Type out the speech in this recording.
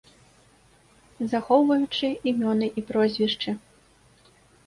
Захоўваючы імёны і прозвішчы.